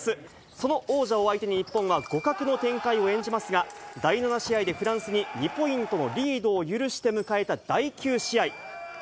その王者を相手に、日本は互角の展開を演じますが、第７試合でフランスに２ポイントのリードを許して迎えた第９試合。